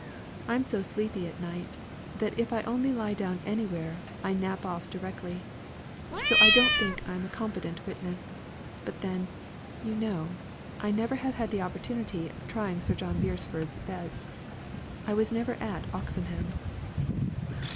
I'm so sleepy at night, that if I only lie down anywhere, I nap off directly. So I don't think I'm a competent witness. But then, you know, I never had the opportunity of trying Sir John Beresford's beds. I never was at Oxenham."